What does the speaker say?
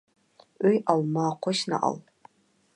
ئۆي ئالما، قوشنا ئال.